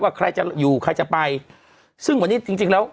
ใครจะอยู่ใครจะไปซึ่งวันนี้จริงจริงแล้ว